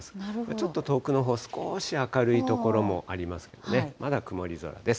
ちょっと遠くのほう、すこーし明るい所もありますけどね、まだ曇り空です。